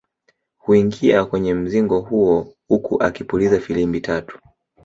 Huingia kwenye mzingo huo huku akipuliza filimbi tatu